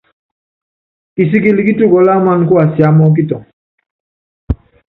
Kisikili kítukɔlɔ́ ámaná kuasiámá ɔ́kitɔŋɔ.